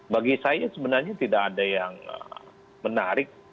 bagi saya sebenarnya tidak ada yang menarik